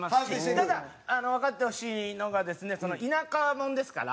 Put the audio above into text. ただ、わかってほしいのがですね田舎者ですから。